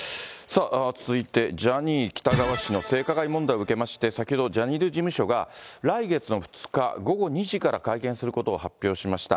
続いてジャニー喜多川氏の性加害問題を受けまして、先ほど、ジャニーズ事務所が、来月の２日午後２時から会見することを発表しました。